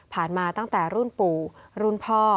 มาตั้งแต่รุ่นปู่รุ่นพ่อ